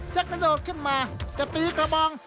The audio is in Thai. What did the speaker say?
จะกระโดดขึ้นมาจะตีกระบอง